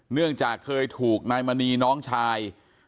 เนื่องจากเคยถูกนายมณีน้องชาย